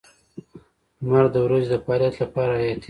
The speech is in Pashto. • لمر د ورځې د فعالیت لپاره حیاتي دی.